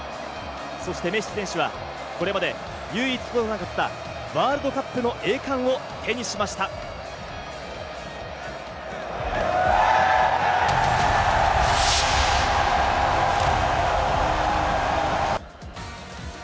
そしてメッシ選手はこれまで唯一取れなかったワールドカップの栄冠を手にしたのです。